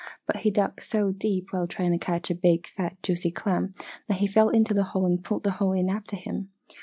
But he dug so deep while trying to catch a big fat juicy clam, that he fell into the hole and pulled the hole in after him.